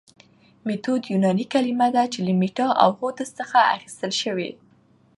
ميتود يوناني کلمه ده چي له ميتا او هودس څخه اخستل سوي